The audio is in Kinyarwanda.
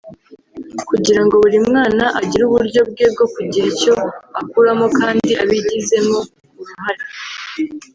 kugira ngo buri mwana agire uburyo bwe bwo kugira icyo akuramo kandi abigizemo uruhare